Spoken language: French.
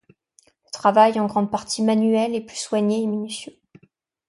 Le travail, en grande partie manuel, est plus soigné et minutieux.